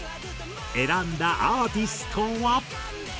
選んだアーティストは。